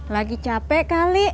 lagi capek kali